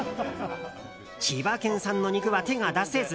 千葉県産の肉は手が出せず。